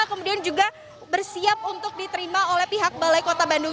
kemudian juga bersiap untuk diterima oleh pihak balai kota bandung